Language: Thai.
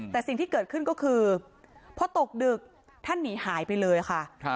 แต่สิ่งที่เกิดขึ้นก็คือพอตกดึกท่านหนีหายไปเลยค่ะ